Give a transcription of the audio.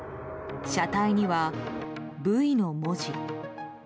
車体には「Ｖ」の文字。